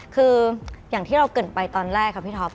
คืออย่างที่เราเกิดไปตอนแรกค่ะพี่ท็อป